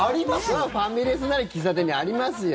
それはファミレスなり喫茶店にありますよ。